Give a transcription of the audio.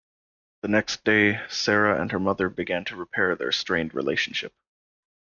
The next day, Sarah and her mother begin to repair their strained relationship.